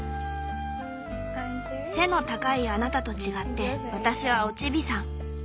「背の高いあなたと違って私はおチビさん。